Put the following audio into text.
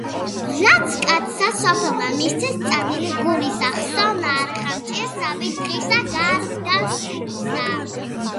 ,,რა კაცსა სოფელმან მისცეს წადილი გულისა, ხსოვნა არა ხამს ჭირისა, ვით დღისა გარდასრულისა.”